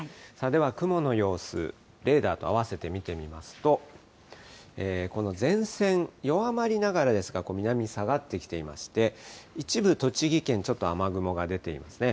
では雲の様子、レーダーと合わせて見てみますと、この前線、弱まりながらですが南に下がってきていまして、一部、栃木県、ちょっと雨雲が出ていますね。